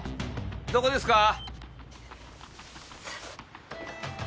どこですか？